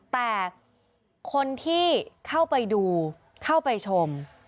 แต่คนที่เข้าไปดูเข้าไปชม